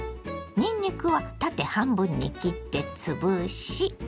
にんにくは縦半分に切って潰し。